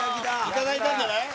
いただいたんじゃない？